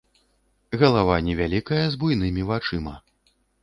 Галава невялікая, з буйнымі вачыма.